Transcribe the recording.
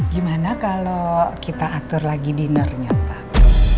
gimana kalau kita atur lagi dinnernya pak